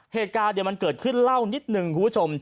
เหตุการณ์มันเกิดขึ้นเล่านิดนึงคุณผู้ชม